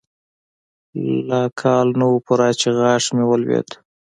لا کال نه و پوره چې غاښ مې ولوېد.